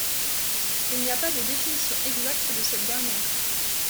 Il n'y a pas de définition exacte de cette dernière.